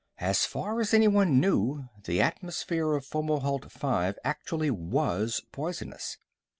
As far as anyone knew, the atmosphere of Fomalhaut V actually was poisonous.